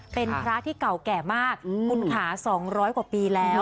เป็นพระที่เก่าแก่มากคุณค่ะ๒๐๐กว่าปีแล้ว